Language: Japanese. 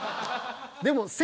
でも。